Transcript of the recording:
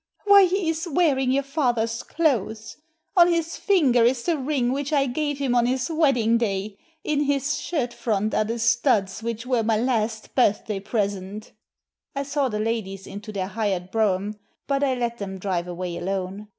Why, he is wearing your father's clothes ! On his finger is the ring which I gave him on his wedding day ; in his shirt front are the studs which were my last birthday present" I saw the ladies into their hired brougham, but I let them drive away alone.